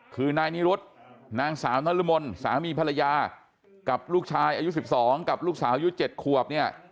คือนายนิรุธนางสาวนรมนสามีภรรยากับลูกชายอายุ๑๒กับลูกสาวอายุ๗ขวบเนี่ย